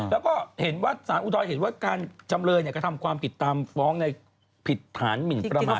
แล้วก็สารอุตรอนเห็นว่าการจำเลยก็ทำความผิดตามฟ้องในผิดฐานมินปรมาตร